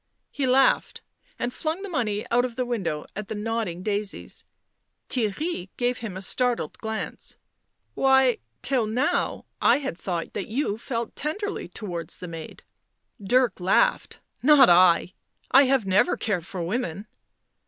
He laughed, and flung the money out of the window at the nodding daisies. Theirry gave him a startled glance. " Why, till now I had thought that you felt tenderly towards the maid." Dirk laughed. "Not I. I have never cared for women."